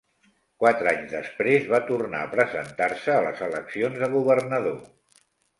Quatre anys després, va tornar a presentar-se a les eleccions a governador.